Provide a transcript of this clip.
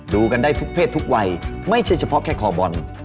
ดูกันได้ทุกเพศทุกวัยไม่ใช่เฉพาะแค่คอบอล